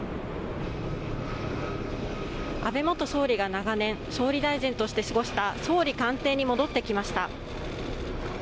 安倍元総理が長年、総理大臣として過ごした総理官邸に戻ってきました。